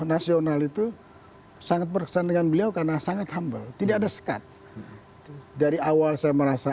nasional itu sangat berkesan dengan beliau karena sangat humble tidak ada sekat dari awal saya merasa